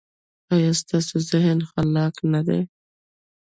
ایا ستاسو ذهن خلاق نه دی؟